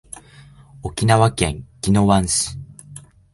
沖縄県宜野湾市